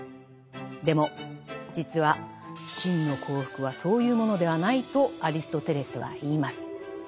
でも実は「真の幸福」はそういうものではないとアリストテレスは言います。